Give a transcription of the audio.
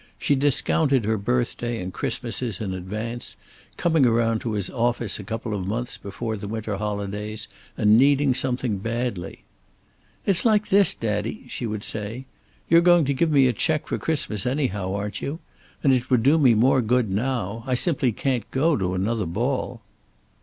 She discounted her birthday and Christmases in advance, coming around to his office a couple of months before the winter holidays and needing something badly. "It's like this, daddy," she would say. "You're going to give me a check for Christmas anyhow, aren't you? And it would do me more good now. I simply can't go to another ball."